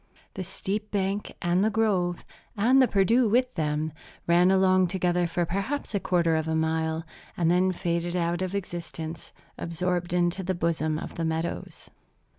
The steep bank, and the grove, and the Perdu with them, ran along together for perhaps a quarter of a mile, and then faded out of existence, absorbed into the bosom of the meadows.